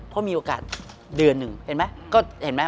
เพราะมีโอกาสเดือนหนึ่งเห็นไหม